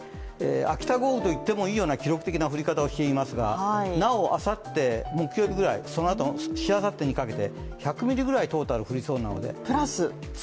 秋田豪雨と言ってもいいような記録的な降り方をしていますが、なお、あさって、木曜日ぐらい、しあさってにかけて１００ミリぐらい、トータル降りそうなので。